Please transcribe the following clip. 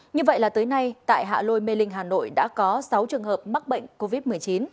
như vậy là tới nay tại hạ lôi mê linh hà nội đã có sáu trường hợp mắc bệnh covid một mươi chín